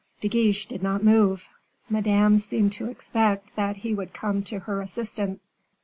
De Guiche did not move. Madame seemed to expect that he would come to her assistance.